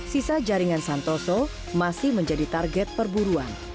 sisa jaringan santoso masih menjadi target perburuan